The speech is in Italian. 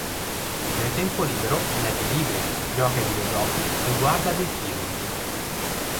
Nel tempo libero legge libri, gioca ai videogiochi e guarda dei film.